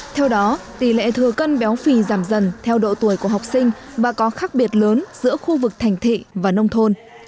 theo đó tỷ lệ thừa cân béo phì giảm dần theo độ tuổi của học sinh và có khác biệt lớn giữa khu vực thành thị và nông thôn